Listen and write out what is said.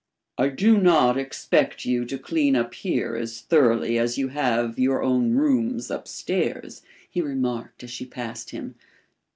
"I do not expect you to clean up here as thoroughly as you have your own rooms up stairs," he remarked, as she passed him.